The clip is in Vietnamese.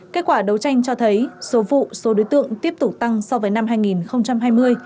kết quả đấu tranh cho thấy số vụ số đối tượng tiếp tục tăng so với năm hai nghìn hai mươi